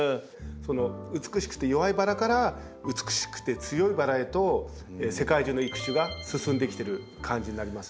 美しくて弱いバラから美しくて強いバラへと世界中の育種が進んできている感じになりますね。